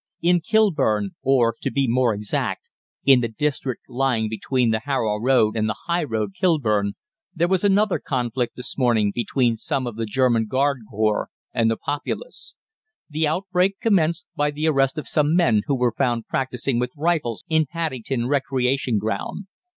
"In Kilburn, or, to be more exact, in the district lying between the Harrow Road and the High Road, Kilburn, there was another conflict this morning between some of the German Garde Corps and the populace. The outbreak commenced by the arrest of some men who were found practising with rifles in Paddington Recreation Ground.